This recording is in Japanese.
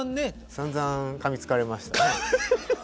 さんざんかみつかれましたね。